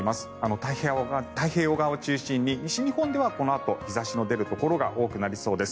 太平洋側を中心に西日本ではこのあと日差しの出るところが多くなりそうです。